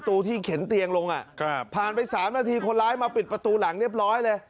ตู้ที่เข็นเตียงลงผ่านไป๓นาทีคนร้ายมาปิดประตูหลังเรียบร้อยเลย